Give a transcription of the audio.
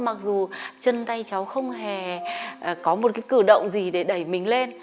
mặc dù chân tay cháu không hề có một cái cử động gì để đẩy mình lên